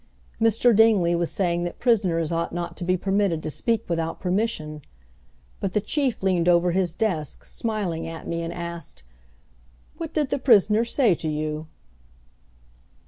Mr. Dingley was saying that prisoners ought not to be permitted to speak without permission, but the Chief leaned over his desk, smiling at me, and asked, "What did the prisoner say to you?"